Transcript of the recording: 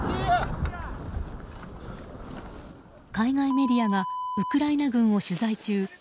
海外メディアがウクライナ軍を取材中